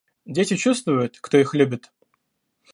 Дети чувствуют, кто их любит.